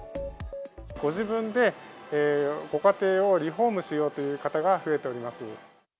ご自分でご家庭をリフォームしようという方が増えております。